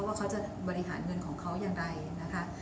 ว่าเขาจะบริหารเงินของเขาอย่างไรนะคะ